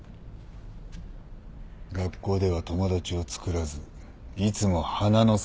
学校では友達をつくらずいつも花の世話をしていた。